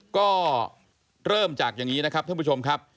ก็เริ่มจากอย่างนี้นะครับท่านผู้ชมครับ